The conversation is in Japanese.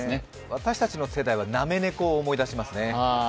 私たちの世代はなめ猫を思い出しますね。